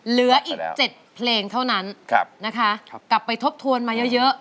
เหลืออีก๗เพลงเท่านั้นนะคะกลับไปทบทวนมาเยอะ